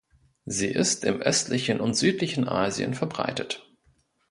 Sie ist im östlichen und südlichen Asien verbreitet.